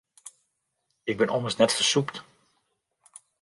Ik bin ommers net fersûpt.